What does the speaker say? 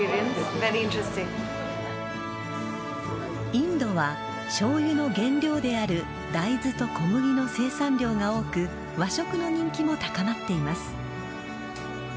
インドはしょうゆの原料である大豆と小麦の生産量が多く和食の人気も高まっています。